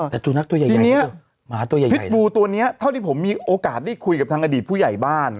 แต่สุนัขตัวใหญ่นะหมาตัวใหญ่พิษบูตัวนี้เท่าที่ผมมีโอกาสได้คุยกับทางอดีตผู้ใหญ่บ้าน